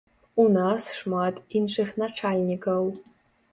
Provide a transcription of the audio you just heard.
У нас шмат іншых начальнікаў.